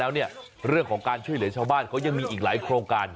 แล้วเนี่ยเรื่องของการช่วยเหลือชาวบ้านเขายังมีอีกหลายโครงการ